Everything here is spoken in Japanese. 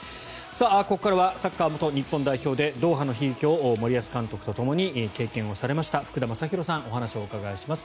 ここからはサッカー元日本代表でドーハの悲劇を森保監督とともに経験をされました福田正博さんにお話をお伺いします。